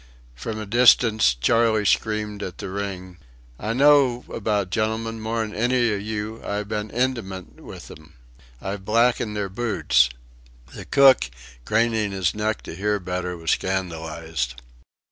From a distance Charley screamed at the ring: "I know about gentlemen more'n any of you. I've been intermit with 'em.... I've blacked their boots." The cook, craning his neck to hear better, was scandalised.